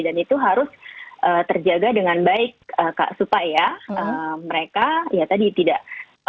dan itu harus terjaga dengan baik kak supaya mereka ya tadi tidak